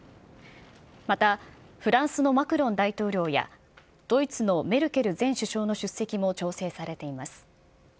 またフランスのマクロン大統領や、ドイツのメルケル前首相の出席も調整されています。